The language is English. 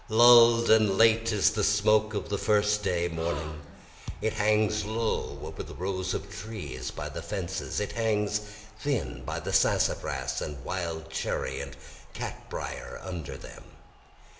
Lull'd and late is the smoke of the First day morning, It hangs low over the rows of trees by the fences, It hangs thin by the sassafras and wild cherry and cat brier under them.